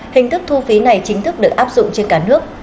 hình thức thu phí này chính thức được áp dụng trên cả nước